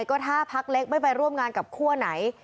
ก็ถ้าพักเล็กไม่ไปร่วมงานกับคั่วไหน